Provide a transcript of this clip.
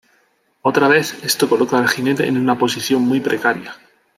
Otra vez, esto coloca al jinete en una posición muy precaria.